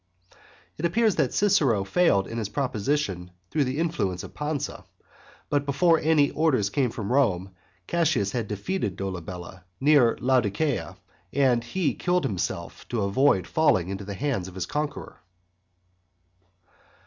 It appears that Cicero failed in his proposition through the influence of Pansa, but before any orders came from Rome, Cassius had defeated Dolabella near Laodicea, and he killed himself to avoid falling into the hands of his conqueror.